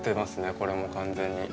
これも完全に。